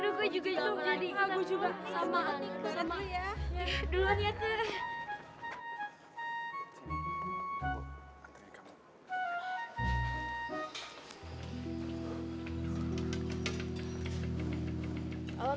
aduh gue juga nyokap lagi